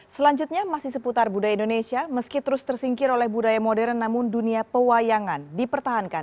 selanjutnya masih seputar budaya indonesia meski terus tersingkir oleh budaya modern namun dunia pewayangan dipertahankan